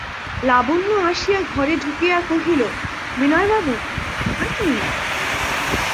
লাবণ্য আসিয়া ঘরে ঢুকিয়া কহিল, বিনয়বাবু আসুন-না।